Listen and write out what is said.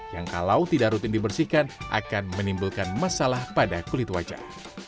yang kalau tidak rutin dibersihkan akan menimbulkan masalah pada kulit wajah